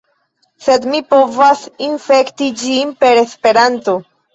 Sed mi povas infekti ĝin per Esperanto